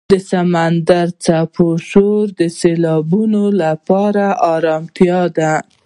د سمندر څپو شور د سیلانیانو لپاره آرامتیا ده.